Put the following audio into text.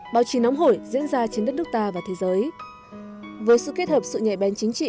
báo chí nóng hổi diễn ra trên đất nước ta và thế giới với sự kết hợp sự nhạy bén chính trị